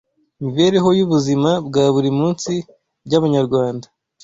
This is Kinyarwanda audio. mibereho y’ubuzima bwa buri munsi by’abanyarwanda